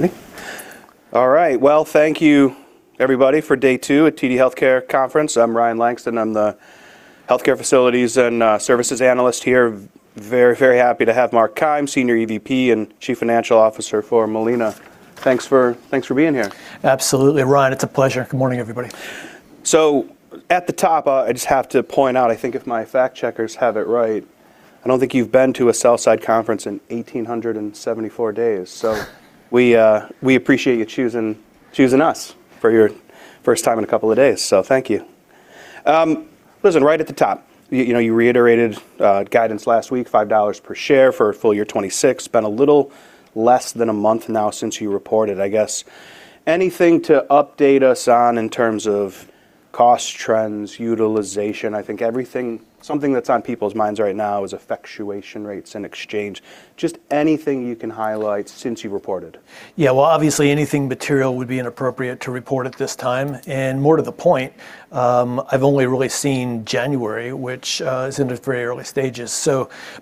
Ready? All right. Well, thank you everybody for day two at TD Healthcare conference. I'm Ryan Langston. I'm the Healthcare Facilities and Services Analyst here. Very, very happy to have Mark Keim, Senior EVP and Chief Financial Officer for Molina. Thanks for being here. Absolutely, Ryan. It's a pleasure. Good morning, everybody. At the top, I just have to point out, I think if my fact-checkers have it right, I don't think you've been to a Sell-Side conference in 1,874 days. We appreciate you choosing us for your first time in a couple of days, so thank you. Right at the top, you know, you reiterated guidance last week, $5 per share for full year 2026. Been a little less than a month now since you reported. I guess anything to update us on in terms of cost trends, utilization? Something that's on people's minds right now is effectuation rates and exchange. Just anything you can highlight since you reported. Yeah. Well, obviously anything material would be inappropriate to report at this time. More to the point, I've only really seen January, which is in the very early stages.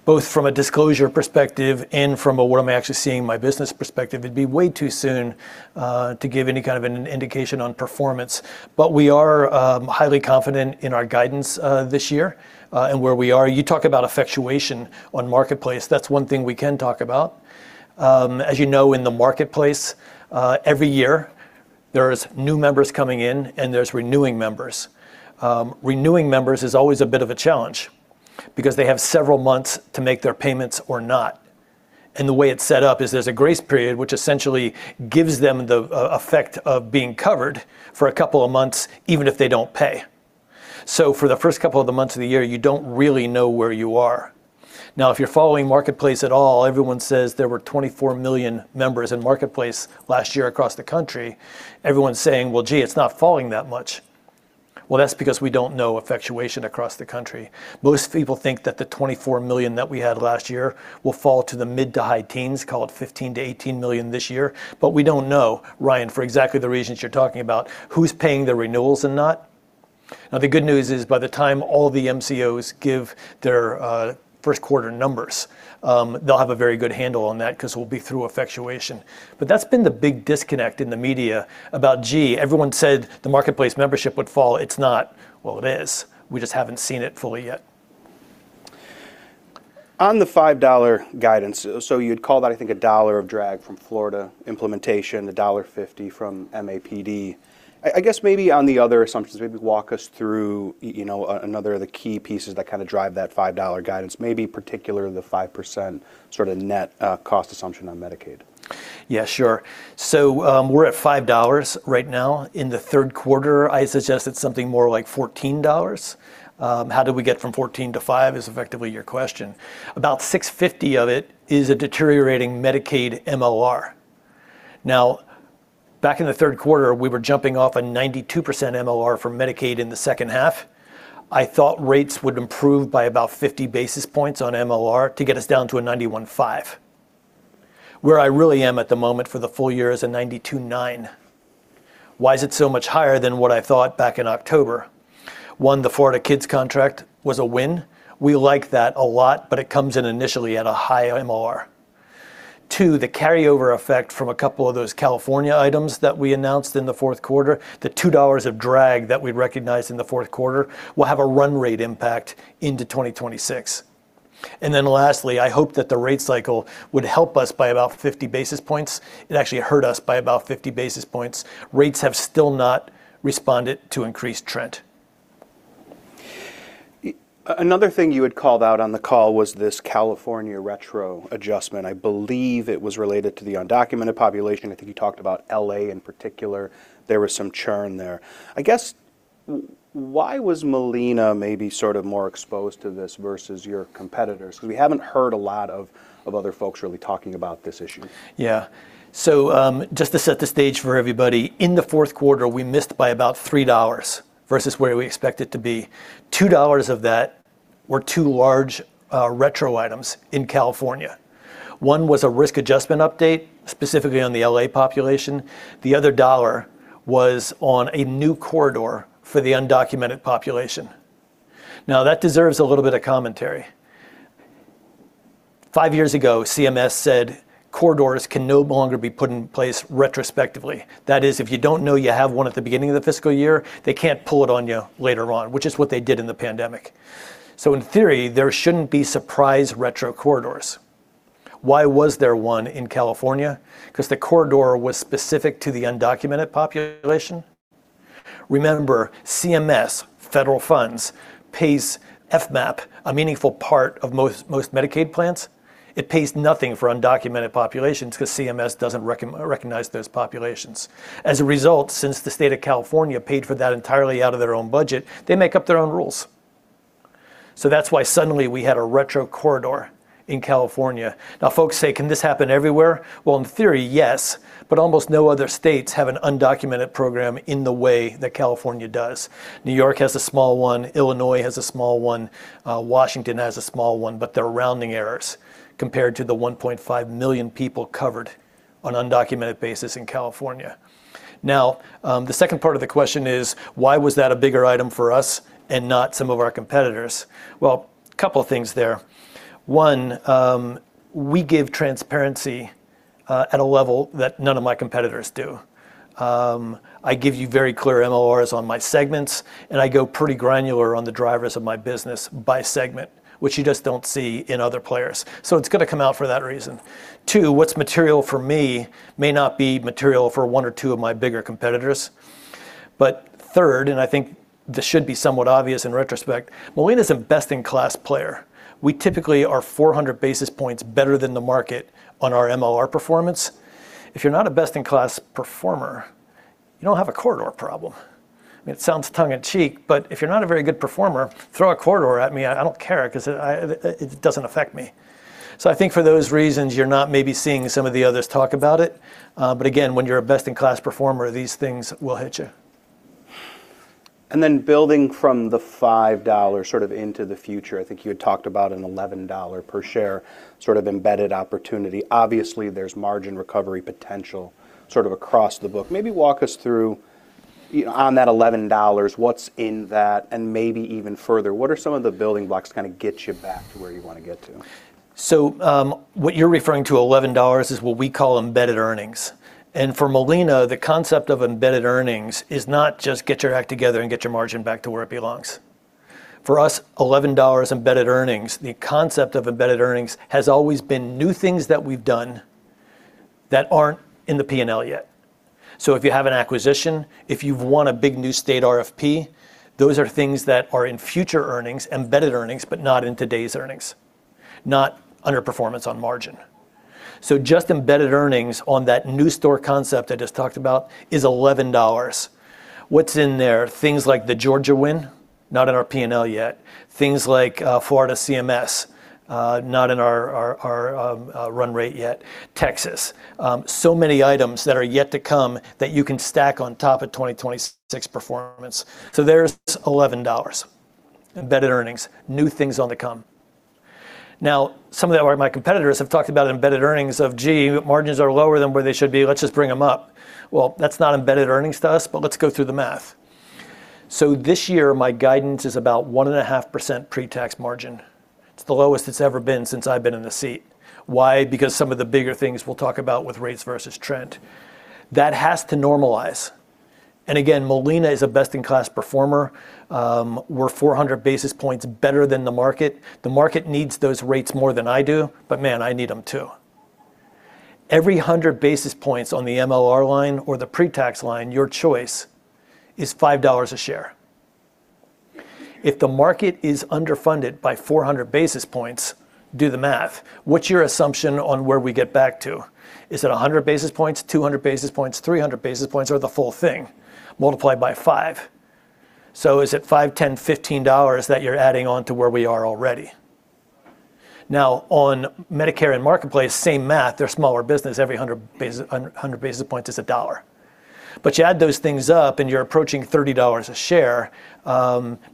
Both from a disclosure perspective and from a what-am-I-actually-seeing-my-business perspective, it'd be way too soon to give any kind of an indication on performance. We are highly confident in our guidance this year and where we are. You talk about effectuation on Marketplace, that's one thing we can talk about. As you know, in the Marketplace, every year there's new members coming in, and there's renewing members. Renewing members is always a bit of a challenge because they have several months to make their payments or not, and the way it's set up is there's a grace period which essentially gives them the effect of being covered for a couple of months, even if they don't pay. For the first couple of the months of the year, you don't really know where you are. If you're following Marketplace at all, everyone says there were 24 million members in Marketplace last year across the country. Everyone's saying, "It's not falling that much." That's because we don't know effectuation across the country. Most people think that the 24 million that we had last year will fall to the mid to high teens, call it 15 million-18 million this year. We don't know, Ryan, for exactly the reasons you're talking about, who's paying the renewals and not. The good news is, by the time all the MCOs give their first quarter numbers, they'll have a very good handle on that 'cause we'll be through effectuation. That's been the big disconnect in the media about, gee, everyone said the Marketplace membership would fall. It's not. Well, it is. We just haven't seen it fully yet. On the $5 guidance, so you'd call that, I think, $1 of drag from Florida implementation, $1.50 from MAPD. I guess maybe on the other assumptions, maybe walk us through, you know, another of the key pieces that kinda drive that $5 guidance, maybe particular the 5% sorta net cost assumption on Medicaid. Yeah, sure. We're at $5 right now. In the third quarter, I suggested something more like $14. How did we get from 14-5 is effectively your question. About $6.50 of it is a deteriorating Medicaid MLR. Back in the third quarter, we were jumping off a 92% MLR for Medicaid in the second half. I thought rates would improve by about 50 basis points on MLR to get us down to a 91.5. Where I really am at the moment for the full year is a 92.9. Why is it so much higher than what I thought back in October? One, the Florida KidCare contract was a win. We like that a lot, but it comes in initially at a high MLR. Two, the carryover effect from a couple of those California items that we announced in the fourth quarter, the $2 of drag that we recognized in the fourth quarter, will have a run rate impact into 2026. Lastly, I hope that the rate cycle would help us by about 50 basis points. It actually hurt us by about 50 basis points. Rates have still not responded to increased trend. Another thing you had called out on the call was this California retro adjustment. I believe it was related to the undocumented population. I think you talked about L.A. in particular. There was some churn there. I guess why was Molina maybe sort of more exposed to this versus your competitors? 'Cause we haven't heard a lot of other folks really talking about this issue. Just to set the stage for everybody, in the fourth quarter, we missed by about $3 versus where we expected to be. $2 of that were two large retro items in California. One was a risk adjustment update, specifically on the L.A. population. The other $1 was on a new corridor for the undocumented population. That deserves a little bit of commentary. Five years ago, CMS said corridors can no longer be put in place retrospectively. That is, if you don't know you have one at the beginning of the fiscal year, they can't pull it on you later on, which is what they did in the pandemic. In theory, there shouldn't be surprise retro corridors. Why was there one in California? 'Cause the corridor was specific to the undocumented population. Remember, CMS, federal funds, pays FMAP a meaningful part of most Medicaid plans. It pays nothing for undocumented populations 'cause CMS doesn't recognize those populations. As a result, since the state of California paid for that entirely out of their own budget, they make up their own rules. That's why suddenly we had a retro corridor in California. Folks say, "Can this happen everywhere?" In theory, yes, but almost no other states have an undocumented program in the way that California does. New York has a small one, Illinois has a small one, Washington has a small one, but they're rounding errors compared to the 1.5 million people covered on undocumented basis in California. The second part of the question is, why was that a bigger item for us and not some of our competitors? Couple things there. One, we give transparency at a level that none of my competitors do. I give you very clear MLRs on my segments, and I go pretty granular on the drivers of my business by segment, which you just don't see in other players. It's gonna come out for that reason. Two, what's material for me may not be material for one or two of my bigger competitors. Third, and I think this should be somewhat obvious in retrospect, Molina's a best-in-class player. We typically are 400 basis points better than the market on our MLR performance. If you're not a best-in-class performer, you don't have a corridor problem. I mean, it sounds tongue in cheek, but if you're not a very good performer, throw a corridor at me, I don't care 'cause I, it doesn't affect me. I think for those reasons you're not maybe seeing some of the others talk about it. But again, when you're a best-in-class performer, these things will hit you. Then building from the $5 sort of into the future, I think you had talked about an $11 per share sort of embedded opportunity. Obviously, there's margin recovery potential sort of across the book. Maybe walk us through on that $11, what's in that and maybe even further. What are some of the building blocks to kinda get you back to where you wanna get to? What you're referring to, $11, is what we call embedded earnings. For Molina, the concept of embedded earnings is not just get your act together and get your margin back to where it belongs. For us, $11 embedded earnings, the concept of embedded earnings, has always been new things that we've done that aren't in the P&L yet. If you have an acquisition, if you've won a big new state RFP, those are things that are in future earnings, embedded earnings, but not in today's earnings, not under performance on margin. Just embedded earnings on that new store concept I just talked about is $11. What's in there? Things like the Georgia win, not in our P&L yet. Things like Florida CMS, not in our run rate yet. Texas. Many items that are yet to come that you can stack on top of 2026 performance. There's $11 embedded earnings. New things on the come. Some of our, my competitors have talked about embedded earnings of, "Gee, margins are lower than where they should be. Let's just bring them up." Well, that's not embedded earnings to us, let's go through the math. This year my guidance is about 1.5% pre-tax margin. It's the lowest it's ever been since I've been in the seat. Why? Because some of the bigger things we'll talk about with rates versus trend. That has to normalize. Again, Molina is a best-in-class performer. We're 400 basis points better than the market. The market needs those rates more than I do, man, I need them too. Every 100 basis points on the MLR line or the pre-tax line, your choice, is $5 a share. If the market is underfunded by 400 basis points, do the math. What's your assumption on where we get back to? Is it 100 basis points, 200 basis points, 300 basis points, or the full thing multiplied by five? Is it $5, $10, $15 that you're adding on to where we are already? On Medicare and Marketplace, same math. They're smaller business. Every 100 basis points is $1. You add those things up and you're approaching $30 a share.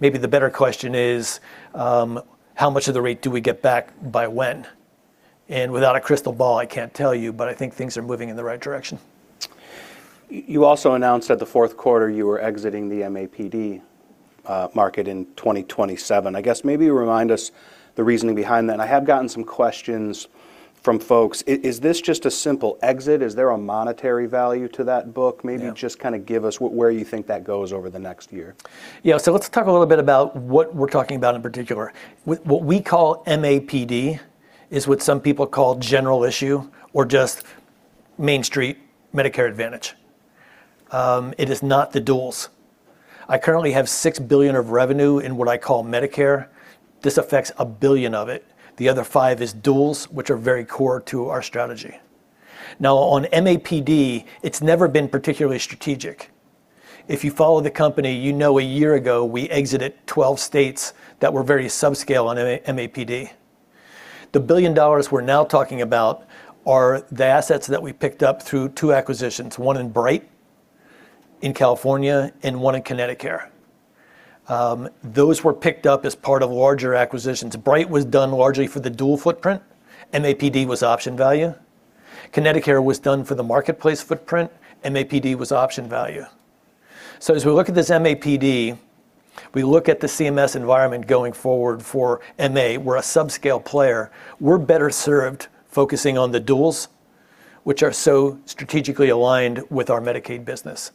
Maybe the better question is, how much of the rate do we get back by when? Without a crystal ball, I can't tell you, but I think things are moving in the right direction. You also announced at the fourth quarter you were exiting the MAPD market in 2027. I guess maybe remind us the reasoning behind that. I have gotten some questions from folks. Is this just a simple exit? Is there a monetary value to that book maybe? Yeah. Just kinda give us where you think that goes over the next year. Let's talk a little bit about what we're talking about in particular. What we call MAPD is what some people call general issue or just main street Medicare Advantage. It is not the duals. I currently have $6 billion of revenue in what I call Medicare. This affects $1 billion of it. The other $5 billion is duals, which are very core to our strategy. On MAPD, it's never been particularly strategic. If you follow the company, you know a year ago we exited 12 states that were very subscale on MAPD. The $1 billion we're now talking about are the assets that we picked up through two acquisitions, one in Bright in California and one in ConnectiCare. Those were picked up as part of larger acquisitions. Bright was done largely for the dual footprint. MAPD was option value. ConnectiCare was done for the Marketplace footprint. MAPD was option value. As we look at this MAPD, we look at the CMS environment going forward for MA. We're a subscale player. We're better served focusing on the duals, which are so strategically aligned with our Medicaid business.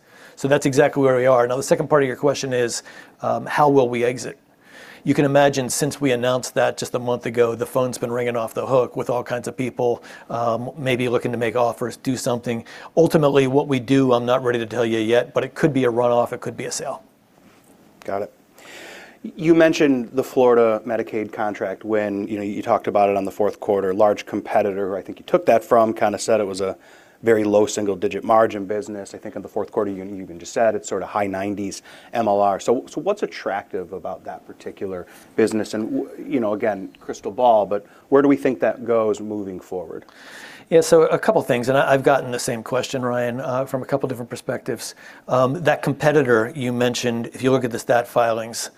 That's exactly where we are. The second part of your question is, how will we exit? You can imagine since we announced that just a month ago, the phone's been ringing off the hook with all kinds of people, maybe looking to make offers, do something. Ultimately, what we do, I'm not ready to tell you yet, but it could be a runoff, it could be a sale. Got it. You mentioned the Florida Medicaid contract when, you know, you talked about it on the fourth quarter. Large competitor, I think you took that from, kind of said it was a very low single-digit margin business. I think in the fourth quarter you even just said it's sort of high 90s MLR. What's attractive about that particular business? You know, again, crystal ball, where do we think that goes moving forward? I've gotten the same question, Ryan, from a couple different perspectives. That competitor you mentioned, if you look at the stat filings,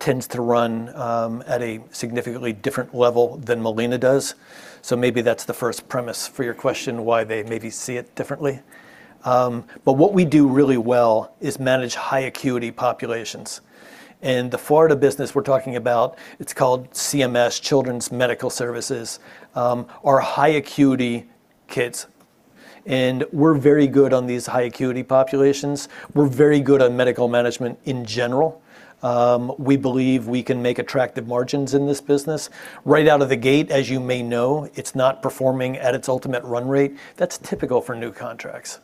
tends to run at a significantly different level than Molina does. Maybe that's the first premise for your question, why they maybe see it differently. What we do really well is manage high acuity populations. The Florida business we're talking about, it's called CMS, Children's Medical Services, are a high acuity kids. We're very good on these high acuity populations. We're very good on medical management in general. We believe we can make attractive margins in this business. Right out of the gate, as you may know, it's not performing at its ultimate run rate. That's typical for new contracts.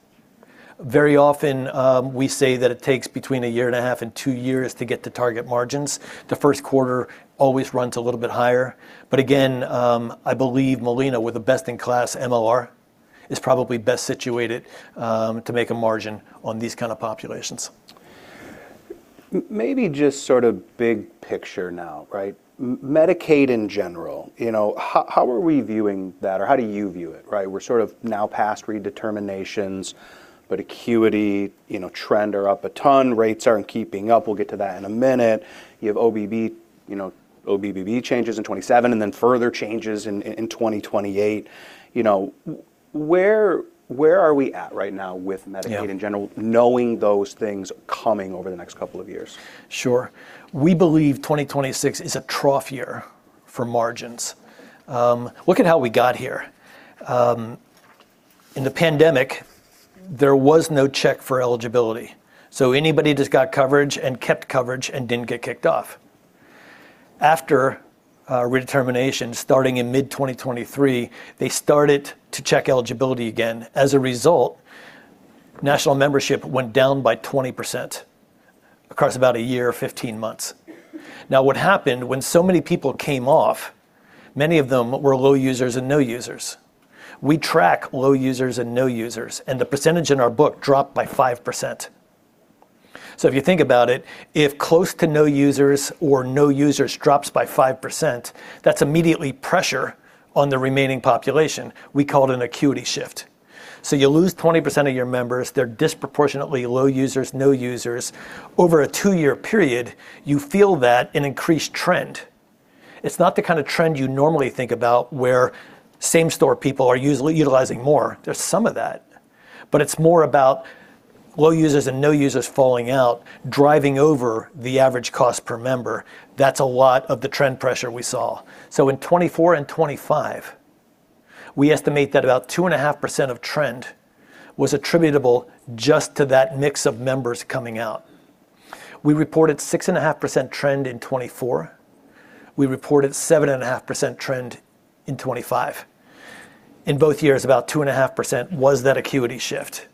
Very often, we say that it takes between a year and a half and two years to get to target margins. The first quarter always runs a little bit higher. Again, I believe Molina with a best-in-class MLR is probably best situated to make a margin on these kind of populations. Maybe just sort of big picture now, right? Medicaid in general, you know, how are we viewing that? Or how do you view it, right? We're sort of now past redeterminations, but acuity, you know, trend are up a ton. Rates aren't keeping up. We'll get to that in a minute. You have OBBB, you know, OBBB changes in 2027, and then further changes in 2028. You know, where are we at right now with Medicaid? Yeah. In general, knowing those things coming over the next couple of years? Sure. We believe 2026 is a trough year for margins. Look at how we got here. In the pandemic, there was no check for eligibility, so anybody just got coverage and kept coverage and didn't get kicked off. After redetermination, starting in mid 2023, they started to check eligibility again. As a result, national membership went down by 20% across about a year, 15 months. What happened when so many people came off, many of them were low users and no users. We track low users and no users, the percentage in our book dropped by 5%. If you think about it, if close to no users or no users drops by 5%, that's immediately pressure on the remaining population. We call it an acuity shift. You lose 20% of your members, they're disproportionately low users, no users. Over a two-year period, you feel that in increased trend. It's not the kind of trend you normally think about where same store people are utilizing more. There's some of that, but it's more about low users and no users falling out, driving over the average cost per member. That's a lot of the trend pressure we saw. In 2024 and 2025, we estimate that about 2.5% of trend was attributable just to that mix of members coming out. We reported 6.5% trend in 2024. We reported 7.5% trend in 2025. In both years, about 2.5% was that acuity shift.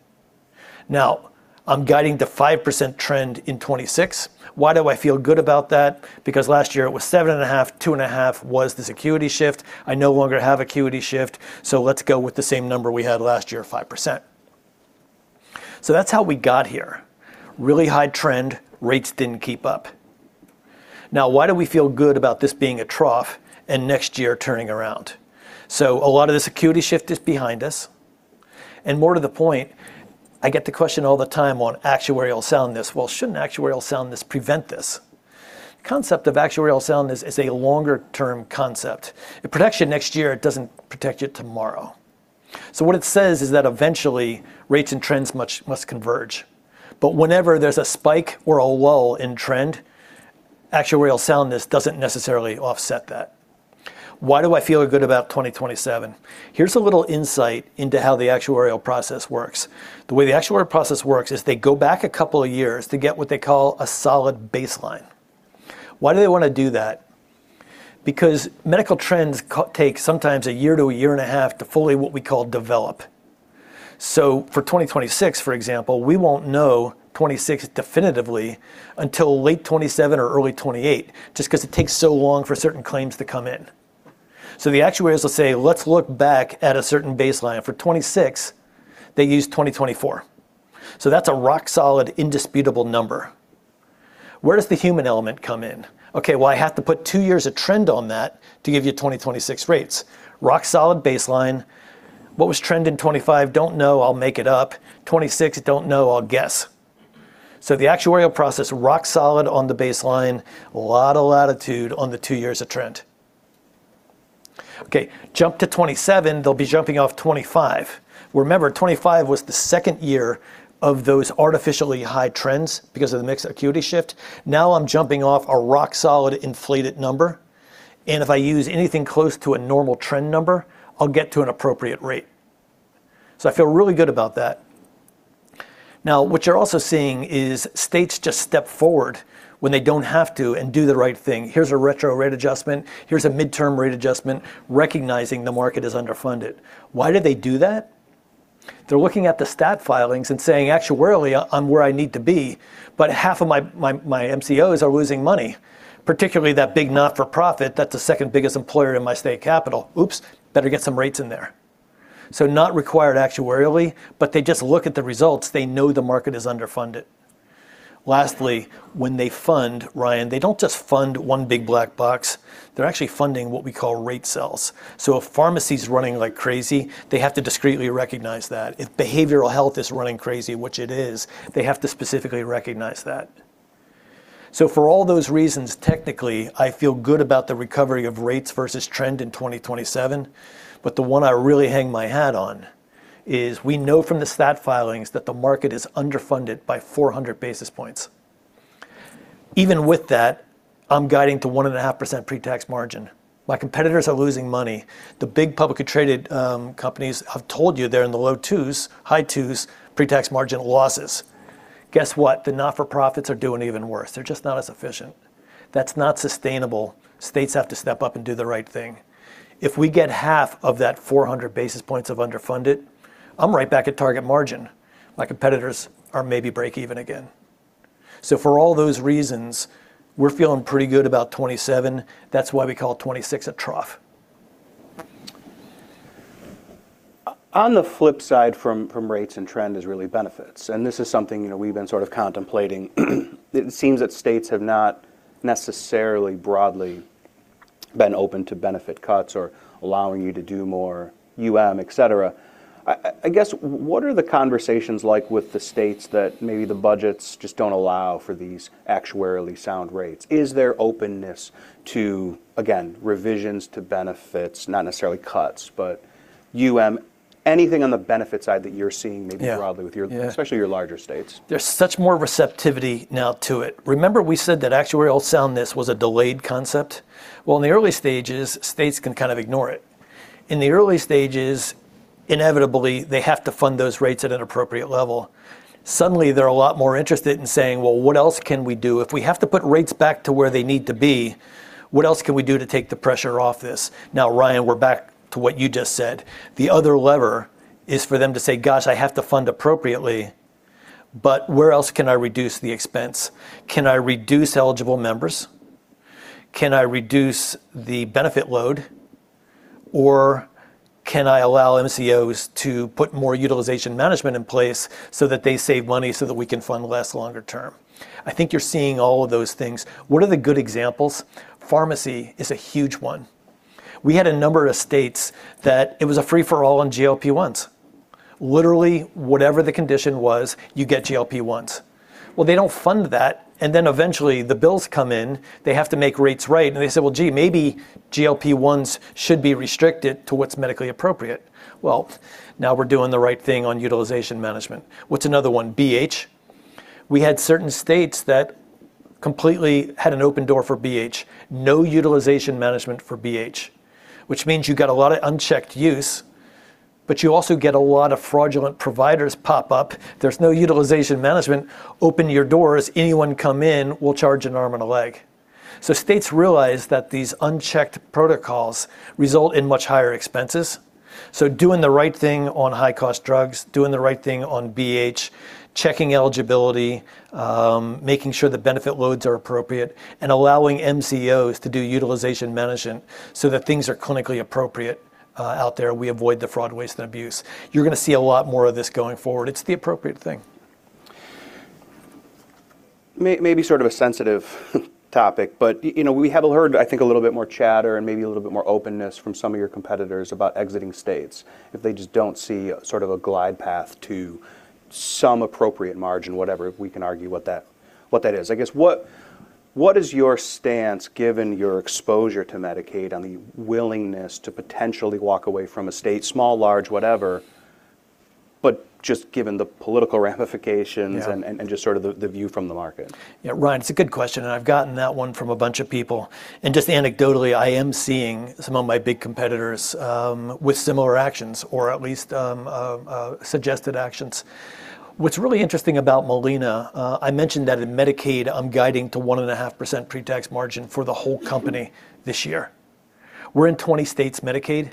I'm guiding the 5% trend in 2026. Why do I feel good about that? Last year it was 7.5. 2.5 was this acuity shift. I no longer have acuity shift, let's go with the same number we had last year, 5%. That's how we got here. Really high trend, rates didn't keep up. Why do we feel good about this being a trough and next year turning around? A lot of this acuity shift is behind us, and more to the point, I get the question all the time on actuarial soundness. Well, shouldn't actuarial soundness prevent this? Concept of actuarial soundness is a longer term concept. It protects you next year, it doesn't protect you tomorrow. What it says is that eventually rates and trends must converge, but whenever there's a spike or a lull in trend, actuarial soundness doesn't necessarily offset that. Why do I feel good about 2027? Here's a little insight into how the actuarial process works. The way the actuarial process works is they go back a couple of years to get what they call a solid baseline. Why do they wanna do that? Medical trends take sometimes a year to a year and a half to fully, what we call, develop. For 2026, for example, we won't know 26 definitively until late 27 or early 28 just 'cause it takes so long for certain claims to come in. The actuaries will say, "Let's look back at a certain baseline." For 26, they used 2024. That's a rock solid indisputable number. Where does the human element come in? Okay, well, I have to put two years of trend on that to give you 2026 rates. Rock solid baseline. What was trend in 25? Don't know. I'll make it up. 26, don't know. I'll guess. The actuarial process, rock solid on the baseline. Lot of latitude on the two years of trend. Okay, jump to 27. They'll be jumping off 25. Remember, 25 was the second year of those artificially high trends because of the mixed acuity shift. I'm jumping off a rock solid inflated number, and if I use anything close to a normal trend number, I'll get to an appropriate rate. I feel really good about that. What you're also seeing is states just step forward when they don't have to and do the right thing. Here's a retro rate adjustment. Here's a midterm rate adjustment recognizing the market is underfunded. Why do they do that? They're looking at the stat filings and saying, "Actuarially, I'm where I need to be, but half of my MCOs are losing money, particularly that big not-for-profit that's the second biggest employer in my state capital. Oops, better get some rates in there." Not required actuarially, but they just look at the results. They know the market is underfunded. When they fund, Ryan, they don't just fund one big black box. They're actually funding what we call rate cells. If pharmacy's running like crazy, they have to discreetly recognize that. If behavioral health is running crazy, which it is, they have to specifically recognize that. For all those reasons, technically, I feel good about the recovery of rates versus trend in 2027. The one I really hang my hat on is we know from the stat filings that the market is underfunded by 400 basis points. Even with that, I'm guiding to 1.5% pre-tax margin. My competitors are losing money. The big publicly traded companies have told you they're in the low 2s, high 2s pre-tax margin losses. Guess what? The not-for-profits are doing even worse. They're just not as efficient. That's not sustainable. States have to step up and do the right thing. If we get half of that 400 basis points of underfunded, I'm right back at target margin. My competitors are maybe break even again. For all those reasons, we're feeling pretty good about 2027. That's why we call 2026 a trough. On the flip side from rates and trend is really benefits, and this is something, you know, we've been sort of contemplating. It seems that states have not necessarily broadly been open to benefit cuts or allowing you to do more UM, et cetera. I guess what are the conversations like with the states that maybe the budgets just don't allow for these actuarially sound rates? Is there openness to, again, revisions to benefits, not necessarily cuts, but UM, anything on the benefit side that you're seeing maybe Yeah... broadly with your- Yeah especially your larger states. There's such more receptivity now to it. Remember we said that actuarial soundness was a delayed concept? In the early stages, states can kind of ignore it. In the early stages, inevitably, they have to fund those rates at an appropriate level. Suddenly, they're a lot more interested in saying, "Well, what else can we do? If we have to put rates back to where they need to be, what else can we do to take the pressure off this?" Ryan, we're back to what you just said. The other lever is for them to say, "Gosh, I have to fund appropriately, but where else can I reduce the expense? Can I reduce eligible members? Can I reduce the benefit load? Can I allow MCOs to put more utilization management in place so that they save money so that we can fund less longer term?" I think you're seeing all of those things. What are the good examples? Pharmacy is a huge one. We had a number of states that it was a free-for-all on GLP-1s. Literally, whatever the condition was, you get GLP-1s. They don't fund that, and then eventually the bills come in, they have to make rates right, and they say, "Well, gee, maybe GLP-1s should be restricted to what's medically appropriate." Now we're doing the right thing on utilization management. What's another one? BH. We had certain states that completely had an open door for BH. No utilization management for BH, which means you get a lot of unchecked use, but you also get a lot of fraudulent providers pop up. There's no utilization management. Open your doors, anyone come in will charge an arm and a leg. States realize that these unchecked protocols result in much higher expenses. Doing the right thing on high-cost drugs, doing the right thing on BH, checking eligibility, making sure the benefit loads are appropriate, and allowing MCOs to do utilization management so that things are clinically appropriate, out there, we avoid the fraud, waste, and abuse. You're gonna see a lot more of this going forward. It's the appropriate thing. May be sort of a sensitive topic, but you know, we have heard I think a little bit more chatter and maybe a little bit more openness from some of your competitors about exiting states if they just don't see sort of a glide path to some appropriate margin, whatever, if we can argue what that is. I guess what is your stance given your exposure to Medicaid on the willingness to potentially walk away from a state, small, large, whatever, but just given the political ramifications... Yeah... and just sort of the view from the market? Ryan, it's a good question, and I've gotten that one from a bunch of people. Just anecdotally, I am seeing some of my big competitors with similar actions or at least suggested actions. What's really interesting about Molina, I mentioned that in Medicaid, I'm guiding to 1.5% pre-tax margin for the whole company this year. We're in 20 states Medicaid.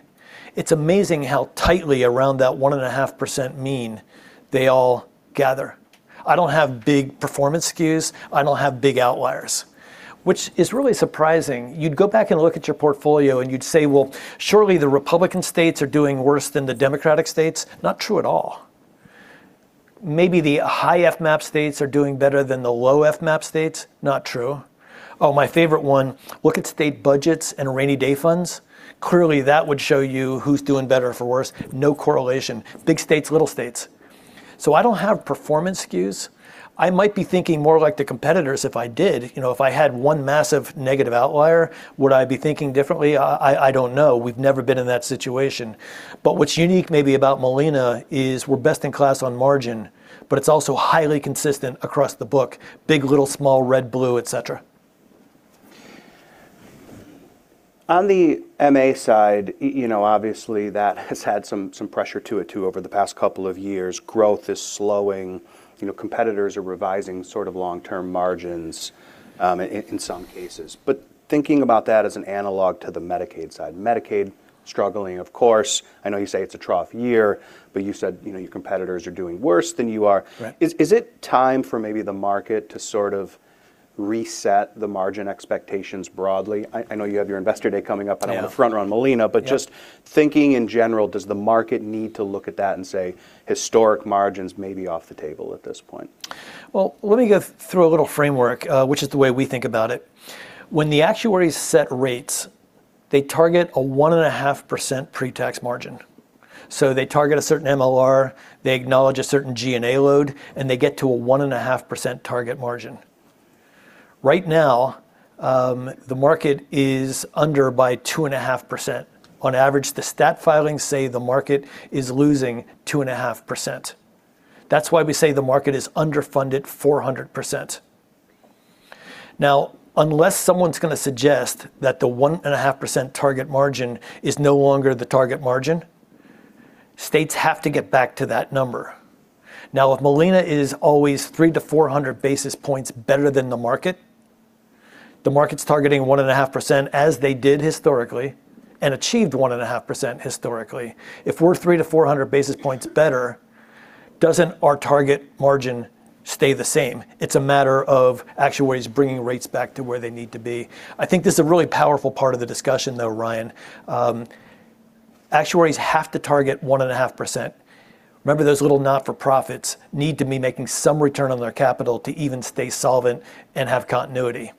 It's amazing how tightly around that 1.5% mean they all gather. I don't have big performance skews. I don't have big outliers, which is really surprising. You'd go back and look at your portfolio and you'd say, "Well, surely the Republican states are doing worse than the Democratic states." Not true at all. Maybe the high FMAP states are doing better than the low FMAP states. Not true. Oh, my favorite one, look at state budgets and rainy day funds. Clearly, that would show you who's doing better or for worse. No correlation. Big states, little states. I don't have performance skews. I might be thinking more like the competitors if I did. You know, if I had one massive negative outlier, would I be thinking differently? I don't know. We've never been in that situation. What's unique maybe about Molina is we're best in class on margin, but it's also highly consistent across the book. Big, little, small, red, blue, et cetera. On the MA side, you know, obviously, that has had some pressure to it too over the past couple of years. Growth is slowing. You know, competitors are revising sort of long-term margins in some cases. Thinking about that as an analog to the Medicaid side, Medicaid struggling, of course. I know you say it's a trough year, you said, you know, your competitors are doing worse than you are. Right. Is it time for maybe the market to sort of reset the margin expectations broadly? I know you have your Investor Day coming up. Yeah... on the front run, Molina. Yeah. Just thinking in general, does the market need to look at that and say historic margins may be off the table at this point? Let me go through a little framework, which is the way we think about it. When the actuaries set rates, they target a 1.5% pre-tax margin. They target a certain MLR, they acknowledge a certain G&A load, and they get to a 1.5% target margin. Right now, the market is under by 2.5%. On average, the stat filings say the market is losing 2.5%. That's why we say the market is underfunded 400%. Unless someone's gonna suggest that the 1.5% target margin is no longer the target margin, states have to get back to that number. If Molina is always 300-400 basis points better than the market, the market's targeting 1.5% as they did historically, and achieved 1.5% historically. If we're 300-400 basis points better, doesn't our target margin stay the same? It's a matter of actuaries bringing rates back to where they need to be. I think this is a really powerful part of the discussion, though, Ryan. Actuaries have to target 1.5%. Remember, those little not-for-profits need to be making some return on their capital to even stay solvent and have continuity.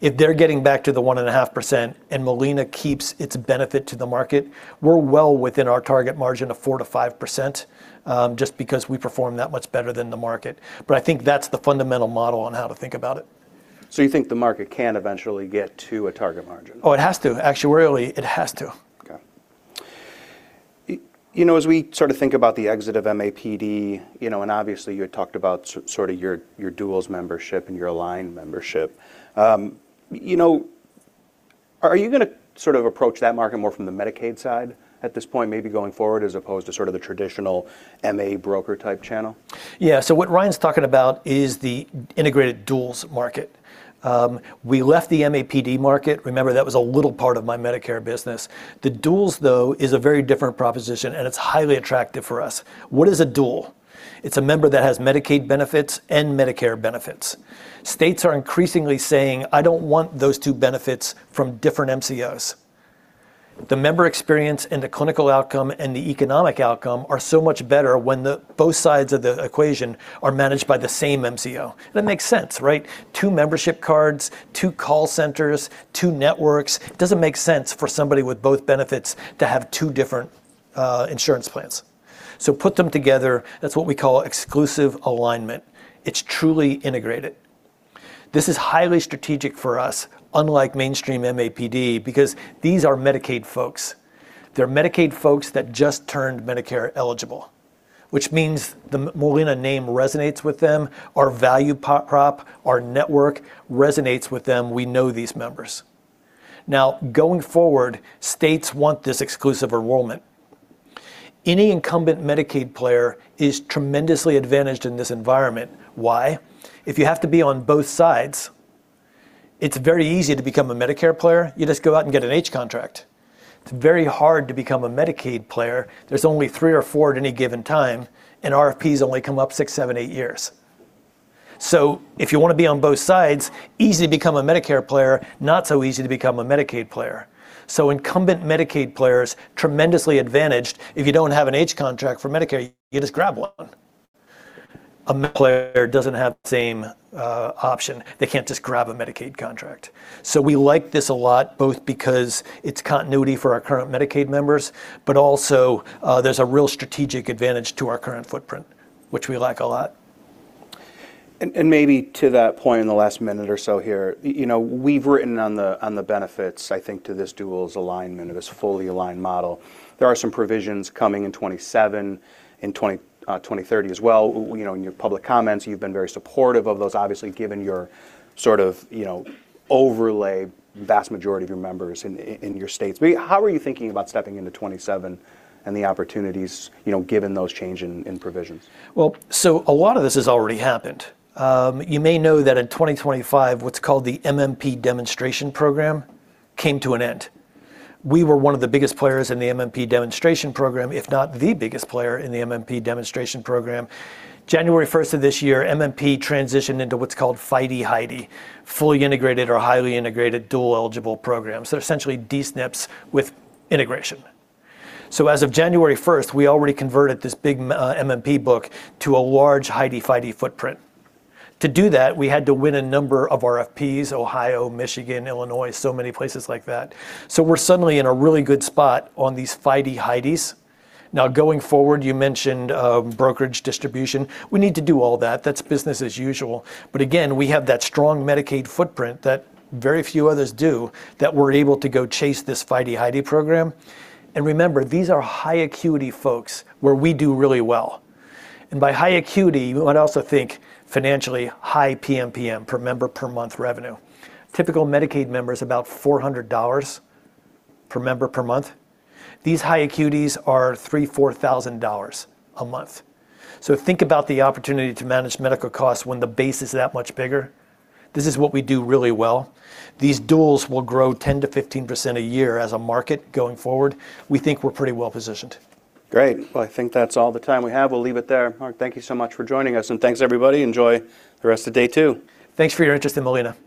If they're getting back to the 1.5% and Molina keeps its benefit to the market, we're well within our target margin of 4%-5%, just because we perform that much better than the market. I think that's the fundamental model on how to think about it. You think the market can eventually get to a target margin? Oh, it has to. Actuarially, it has to. Okay. you know, as we sort of think about the exit of MAPD, you know, and obviously you had talked about sort of your duals membership and your align membership, you know, are you gonna sort of approach that market more from the Medicaid side at this point, maybe going forward, as opposed to sort of the traditional MA broker type channel? Yeah. What Ryan's talking about is the integrated duals market. We left the MAPD market. Remember, that was a little part of my Medicare business. The duals, though, is a very different proposition, and it's highly attractive for us. What is a dual? It's a member that has Medicaid benefits and Medicare benefits. States are increasingly saying, "I don't want those two benefits from different MCOs." The member experience and the clinical outcome and the economic outcome are so much better when both sides of the equation are managed by the same MCO. That makes sense, right? Two membership cards, two call centers, two networks. Doesn't make sense for somebody with both benefits to have two different insurance plans. Put them together. That's what we call exclusive alignment. It's truly integrated. This is highly strategic for us, unlike mainstream MAPD, because these are Medicaid folks. They're Medicaid folks that just turned Medicare eligible, which means the Molina name resonates with them. Our value prop, our network resonates with them. We know these members. Going forward, states want this exclusive enrollment. Any incumbent Medicaid player is tremendously advantaged in this environment. Why? If you have to be on both sides, it's very easy to become a Medicare player. You just go out and get an H contract. It's very hard to become a Medicaid player. There's only three or four at any given time, and RFPs only come up six, seven, eight years. If you wanna be on both sides, easy to become a Medicare player, not so easy to become a Medicaid player. Incumbent Medicaid players, tremendously advantaged. If you don't have an H contract for Medicare, you just grab one. A Med player doesn't have the same option. They can't just grab a Medicaid contract. We like this a lot, both because it's continuity for our current Medicaid members, but also, there's a real strategic advantage to our current footprint, which we like a lot. Maybe to that point in the last minute or so here, you know, we've written on the benefits, I think, to this duals alignment or this fully aligned model. There are some provisions coming in 2027, in 2030 as well. You know, in your public comments, you've been very supportive of those, obviously, given your sort of, you know, overlay vast majority of your members in your states. How are you thinking about stepping into 2027 and the opportunities, you know, given those change in provisions? Well, a lot of this has already happened. You may know that in 2025, what's called the MMP Demonstration Program came to an end. We were one of the biggest players in the MMP Demonstration Program, if not the biggest player in the MMP Demonstration Program. January 1st of this year, MMP transitioned into what's called FIDE/HIDE, fully integrated or highly integrated dual-eligible programs. They're essentially D-SNPs with integration. As of January 1st, we already converted this big MMP book to a large HIDE/FIDE footprint. To do that, we had to win a number of RFPs, Ohio, Michigan, Illinois, so many places like that. We're suddenly in a really good spot on these FIDE/HIDEs. Now, going forward, you mentioned brokerage distribution. We need to do all that. That's business as usual. Again, we have that strong Medicaid footprint that very few others do, that we're able to go chase this FIDE/HIDE program. Remember, these are high acuity folks where we do really well. By high acuity, you might also think financially high PMPM, per member per month revenue. Typical Medicaid member is about $400 per member per month. These high acuities are $3,000-$4,000 a month. Think about the opportunity to manage medical costs when the base is that much bigger. This is what we do really well. These duals will grow 10%-15% a year as a market going forward. We think we're pretty well-positioned. Great. I think that's all the time we have. We'll leave it there. Mark, thank you so much for joining us, and thanks, everybody. Enjoy the rest of day two. Thanks for your interest in Molina.